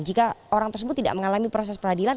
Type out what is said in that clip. jika orang tersebut tidak mengalami proses peradilan